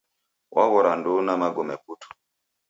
Waghora ndouna magome putu